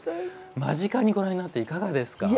間近にご覧になっていかがですか？